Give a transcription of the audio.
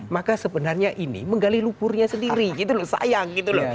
maka sebenarnya ini menggali lupurnya sendiri gitu loh sayang gitu loh